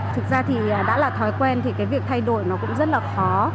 thực ra thì đã là thói quen thì cái việc thay đổi nó cũng rất là khó